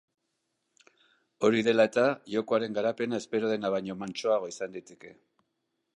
Hori dela eta, jokoaren garapena espero dena baino mantsoagoa izan daiteke.